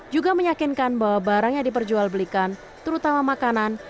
juga meyakinkan bahwa barang yang diperjual belikan terutama makanan